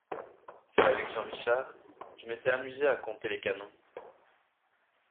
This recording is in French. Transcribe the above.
celle avec Jean Richard, je m’étais amusé à compter les canons.